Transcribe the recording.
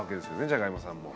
じゃがいもさんも。